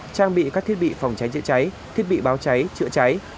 trang bị các thiết bị phòng cháy chữa cháy thiết bị báo cháy chữa cháy